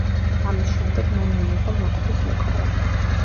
ამის შემდეგ მან მიიღო მოკვლის მუქარა.